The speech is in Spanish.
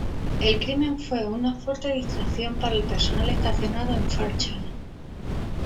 El crimen fue una fuerte distracción para el personal estacionado en Fairchild.